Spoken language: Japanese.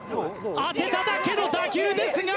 当てただけの打球ですが。